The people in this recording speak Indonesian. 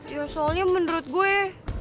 ya soalnya menurut gue